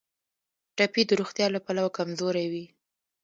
ټپي د روغتیا له پلوه کمزوری وي.